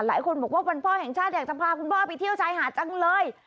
หลายคนบอกว่าวันพ่อแห่งชาติอยากจะพาคุณพ่อไปเที่ยวชายหาดจังเลย